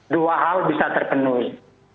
dua hal bisa terpenuhi